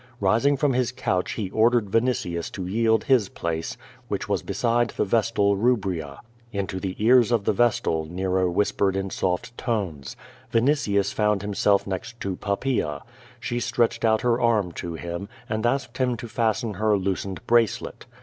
Rising from his couch he ordered Vinitius to yield his place, which was beside the vestal Rubria. Into the ears of the vestal Nero whispered in soft tones. Vinitius found himself next to Poppaea. She stretched out her arm to him, and asked him to fasten her loosened bracelet.